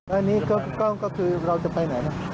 อันนี้ก็คือเราจะไปไหนนะ